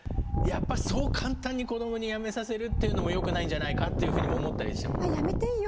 やっぱそう簡単に子どもにやめさせるっていうのもよくないんじゃないかっていうふうにも思ったりして。